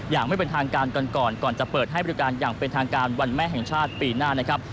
อย่างไม่เป็นทางการกันก่อนก่อนจะเปิดให้บริการอย่างเป็นทางการวันแม่แห่งชาติปีหน้านะครับ